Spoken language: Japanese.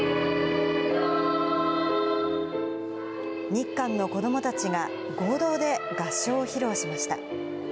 日韓の子どもたちが合同で合唱を披露しました。